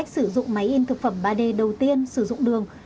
sử dụng máy in thực phẩm ba d đầu tiên sử dụng đường